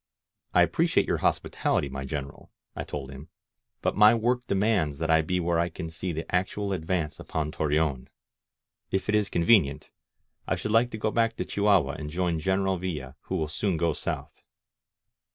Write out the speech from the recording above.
"I appreciate your hospitality, my General," I told him, ^^but my work demands that I be where I can see the actual advance upon Torreon. If it is convenient, I should like to go back to Chihuahua and join General Villa, who will soon go south."